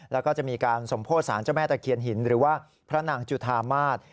แล้วก็จะมีการสมโพธิสารเจ้าแม่ตะเคียนหินหรือว่าพระนางจุธามาศ